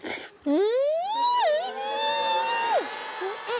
うん！